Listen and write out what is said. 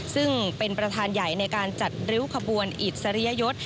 ซึ่งเป็นประธานใหญ่ในการจัดริ้วขบวนอิสริยยศ